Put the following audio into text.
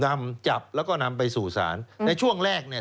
นำจับแล้วก็นำไปสู่ศาลในช่วงแรกเนี่ย